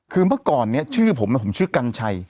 คือเมื่อก่อนเนี่ยชื่อผมผมชื่อกัญชัย